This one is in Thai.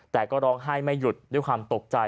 แต่ก็ร้องไห้ไม่หยุดด้วยความตกใจ